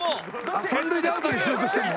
三塁でアウトにしようとしてるの？